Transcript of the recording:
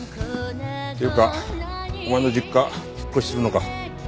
っていうかお前の実家引っ越しするのか。